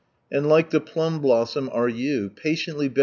And like the ptunj blnasom aie yaa, patiently bea.